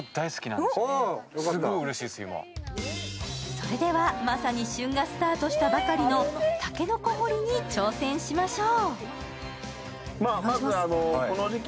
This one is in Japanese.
それでは、まさに旬がスタートしたばかりの竹の子掘りに挑戦しましょう。